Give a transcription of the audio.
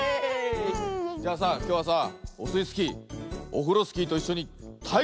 じゃあさきょうはさオスイスキーオフロスキーといっしょにたいけつをしよう！